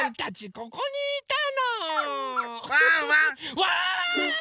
ここにいたの？